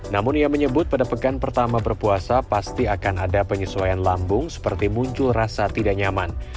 namun ia menyebut pada pekan pertama berpuasa pasti akan ada penyesuaian lambung seperti muncul rasa tidak nyaman